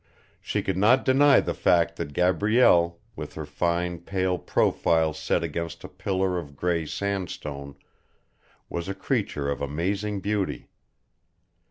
She could not deny the fact that Gabrielle, with her fine pale profile set against a pillar of grey sandstone, was a creature of amazing beauty.